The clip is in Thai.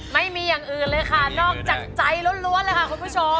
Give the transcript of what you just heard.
ไม่มีอย่างอื่นเลยค่ะนอกจากใจล้วนเลยค่ะคุณผู้ชม